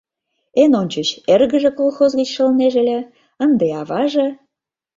Эн ончыч эргыже колхоз гыч шылнеже ыле, ынде аваже.